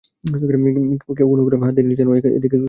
কেউ কোনোকালে হাত দেয়নি যেন, এতদিন এক কোণে শুধু একা পড়ে ছিল।